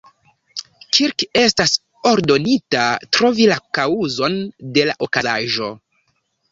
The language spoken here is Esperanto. Kirk estas ordonita trovi la kaŭzon de la okazaĵo.